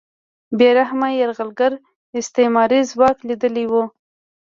بې رحمه یرغلګر استعماري ځواک لیدلی و